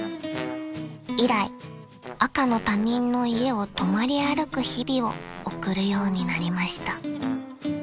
［以来赤の他人の家を泊まり歩く日々を送るようになりました］